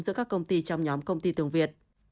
giữa các công ty trong nhóm công ty tường việt